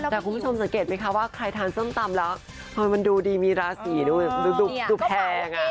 แต่คุณผู้ชมสังเกตไหมคะว่าใครทานส้มตำแล้วมันดูดีมีราศีดูแพง